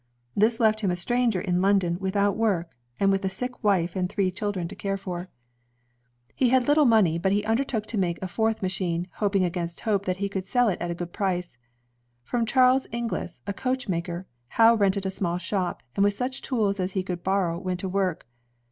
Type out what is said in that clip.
This left him a stranger in London, without work, and with a sick wife and three children to care for. 134 INVENTIONS OF MANUFACTURE AND PRODUCTION He had little money, but he undertook to make a fourth machine, hoping against hope that he could sell it at a good price. From Charles Inglis, a coachmaker, Howe rented a small shop, and with such tools as he could bor row went to work.